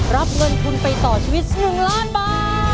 รับเงินทุนไปต่อชีวิต๑ล้านบาท